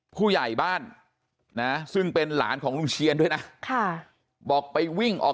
ผู้ใหญ่บ้านนะซึ่งเป็นหลานของลุงเชียนด้วยนะบอกไปวิ่งออก